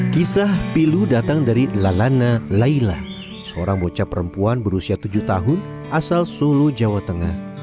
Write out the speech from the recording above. kisah pilu datang dari lalana laila seorang bocah perempuan berusia tujuh tahun asal solo jawa tengah